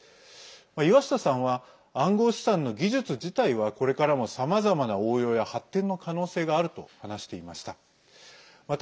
岩下さんは暗号資産の技術自体はこれからもさまざまな応用や発展の可能性があると話していました。